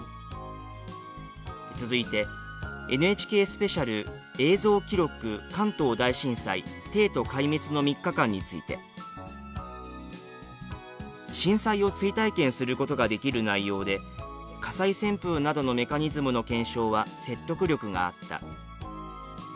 続いて「ＮＨＫスペシャル映像記録関東大震災ー帝都壊滅の三日間ー」について「震災を追体験することができる内容で火災旋風などのメカニズムの検証は説得力があった」。